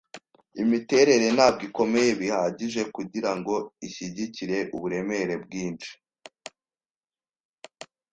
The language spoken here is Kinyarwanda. Imiterere ntabwo ikomeye bihagije kugirango ishyigikire uburemere bwinshi.